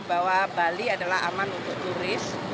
bahwa bali adalah aman untuk turis